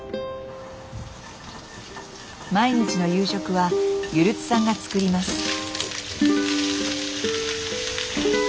毎日の夕食はゆるつさんが作ります。